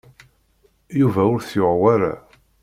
Yuba ur t-yuɣ wara.